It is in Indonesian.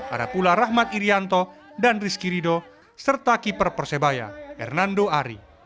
ada pula rahmat irianto dan rizky rido serta keeper persebaya hernando ari